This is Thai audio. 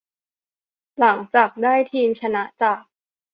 หลังจากได้ทีมชนะจาก